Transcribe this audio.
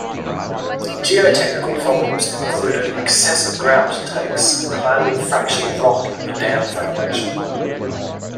Geotechnical problems included excessive grout takes in highly fractured rock in the dam foundation.